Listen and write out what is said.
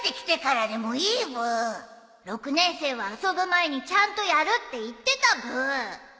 ６年生は遊ぶ前にちゃんとやるって言ってたブー